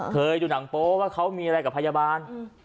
เคยดูหนังโป๊ว่าเขามีอะไรกับพยาบาล